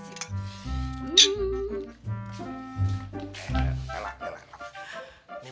kebetulan dts gue masih ada lima episode yang belum gue isiin